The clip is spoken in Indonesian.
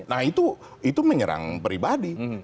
nah itu menyerang pribadi